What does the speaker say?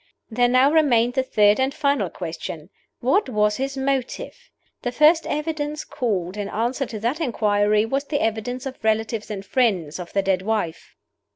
There now remained the third and final question What was His Motive? The first evidence called in answer to that inquiry was the evidence of relatives and friends of the dead wife.